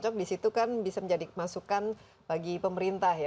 karena disitu kan bisa menjadi masukan bagi pemerintah ya